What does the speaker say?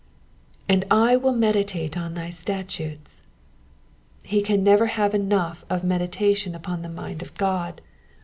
^*And I mil meditate in thy statutes.^^ He can never h&r% enough of meditation upon the mind of God.